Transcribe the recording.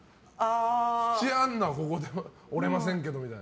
土屋アンナはここで折れませんけどみたいな。